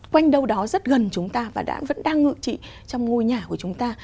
quanh đâu đó rất gần chúng ta và vẫn đang ngự trị trong ngôi nhà của chúng ta